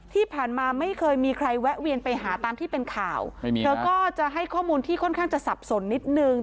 ที่ผ่านมาไม่เคยมีใครแวะเวียนไปหาตามที่เป็นข่าวเธอก็จะให้ข้อมูลที่ค่อนข้างจะสับสนนิดนึง